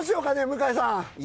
向井さん。